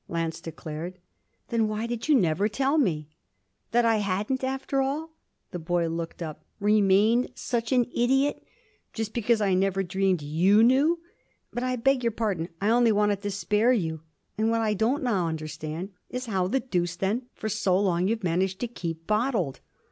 Lance declared. 'Then why did you never tell me ?' 'That I hadn't, after all' the boy took him up 'remained such an idiot? Just because I never dreamed you knew. But I beg your pardon. I only wanted to spare you. And what I don't now understand is how the deuce then for so long you've managed to keep bottled.'